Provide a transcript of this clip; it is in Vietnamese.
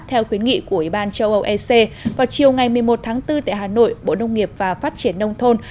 theo khuyến nghị của ủy ban châu âu ec vào chiều ngày một mươi một tháng bốn tại hà nội bộ nông nghiệp và phát triển nông thôn